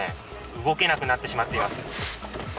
動けなくなってしまっています。